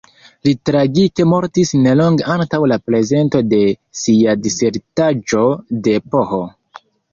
Li tragike mortis nelonge antaŭ la prezento de sia disertaĵo de Ph.